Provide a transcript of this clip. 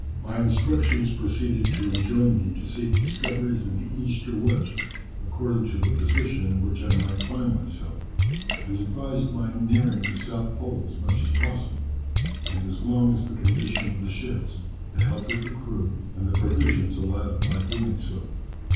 "My instructions proceeded to enjoin me to seek discoveries in the east or west, according to the position in which I might find myself, and advised my nearing the south pole as much as possible, and as long as the condition of the ships, the health of the crew, and the provisions allowed of my doing so.